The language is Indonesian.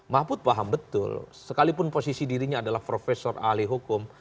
mahfud paham betul sekalipun posisi dirinya adalah profesor ahli hukum